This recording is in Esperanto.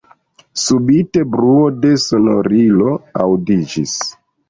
Subite bruo de sonorilo aŭdiĝis.